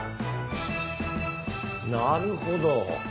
なるほど。